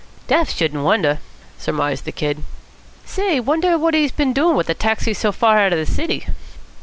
"Deaf, shouldn't wonder," surmised the Kid. "Say, wonder what he's doin' with a taxi so far out of the city."